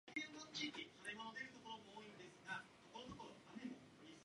He transferred the cities to the possession of Alexander the First of Epirus.